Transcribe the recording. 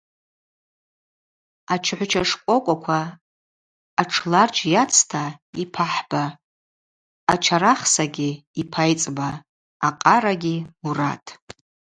Ачгӏвыча шкӏвокӏваква атшларджь йацта – йпахӏба, ачарахсагьи – йпайцӏба, акъарагьи – Мурат.